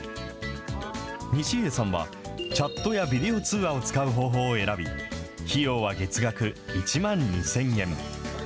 西家さんはチャットやビデオ通話を使う方法を選び、費用は月額１万２０００円。